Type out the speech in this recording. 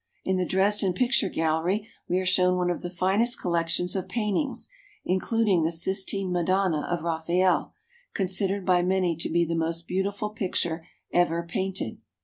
In the Dresden Picture Gallery we are shown one of the finest collections RURAL AND MANUFACTURING GERMANY. 227 of paintings, including the Sistine Madonna of Raphael, considered by many to be the most beautiful picture ever painted.